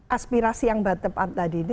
aspirasi yang batepat tadi ini